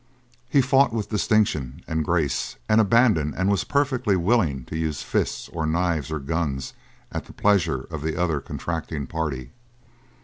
He fought with distinction and grace and abandon and was perfectly willing to use fists or knives or guns at the pleasure of the other contracting party.